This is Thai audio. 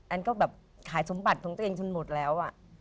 แอนก็แบบขายสมบัติของตัวเองหนูทุนหมดแล้วอะ